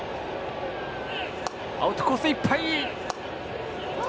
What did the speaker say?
アウトコースいっぱい！